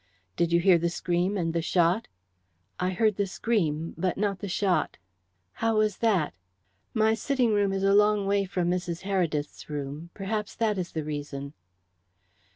"Did you hear the scream and the shot?" "I heard the scream, but not the shot." "How was that?" "My sitting room is a long way from Mrs. Heredith's room. Perhaps that is the reason."